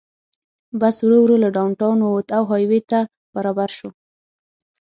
بس ورو ورو له ډاون ټاون ووت او های وې ته برابر شو.